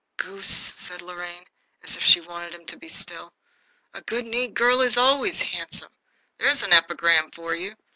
"Goose!" said Lorraine, as if she wanted him to be still. "A good neat girl is always handsome. There's an epigram for you.